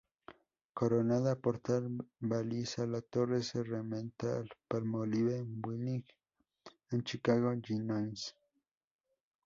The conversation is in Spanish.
Coronada por tal baliza, la torre se remonta al Palmolive Building en Chicago, Illinois.